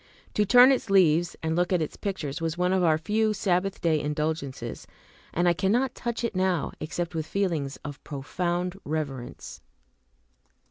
To turn its leaves and look at its pictures was one of our few Sabbath day indulgences; and I cannot touch it now except with feelings of profound reverence.